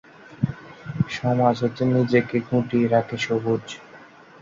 সমাজ হতে নিজেকে গুটিয়ে রাখে সবুজ।